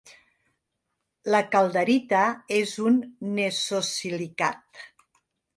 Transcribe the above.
La calderita és un nesosilicat.